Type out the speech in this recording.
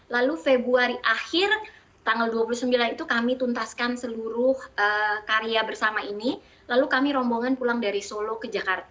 lalu februari akhir tanggal dua puluh sembilan itu kami tuntaskan seluruh karya bersama ini lalu kami rombongan pulang dari solo ke jakarta